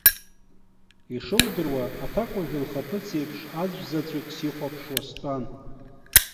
Ишудыруа аҭакәажә лхаԥыц еиԥш аӡәзаҵәык сихәаԥшуа стәан.